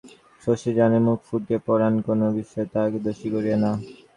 শশী জানে মুখ ফুটিয়া পরাণ কোনো বিষয়ে তাহাকে দোষী করিরে না।